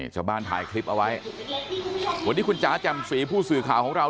ชาวบ้านถ่ายคลิปเอาไว้วันนี้คุณจ๋าแจ่มสีผู้สื่อข่าวของเรา